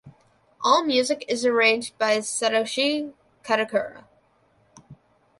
All music is arranged by Satoshi Kadokura.